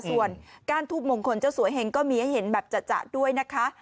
ส่วนก้านทูบมงคลเจ้าสวยเห็งก็มีให้เห็นแบบจะด้วยนะคะ